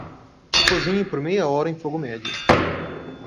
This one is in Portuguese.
Cozinhe por meia hora em fogo médio.